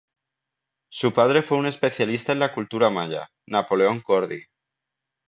Su padre fue un especialista en la cultura Maya, Napoleón Cordy.